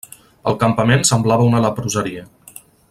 El campament semblava una leproseria.